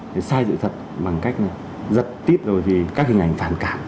để sai dự thật bằng cách giật tít các hình ảnh phản cảm